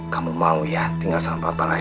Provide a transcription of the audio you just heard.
kamu mau ya tinggal sama papa lagi